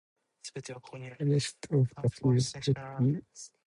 The rest of the fields could be used by other instructions.